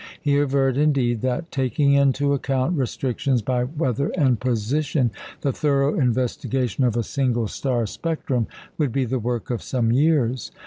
He averred, indeed, that taking into account restrictions by weather and position the thorough investigation of a single star spectrum would be the work of some years.